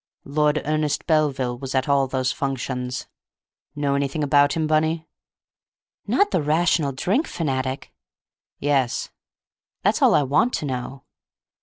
Lord Ernest Belville was at all those functions. Know anything about him, Bunny?" "Not the Rational Drink fanatic?" "Yes." "That's all I want to know."